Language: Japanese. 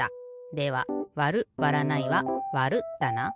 ではわるわらないはわるだな。